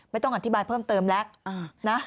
ไม่ต้องอธิบายเพิ่มเติมแล้วนะ